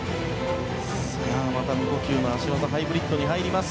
また無呼吸の脚技ハイブリッドに入ります。